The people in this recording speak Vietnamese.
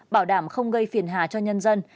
bảo đảm không gây phiền hà cho nhân dân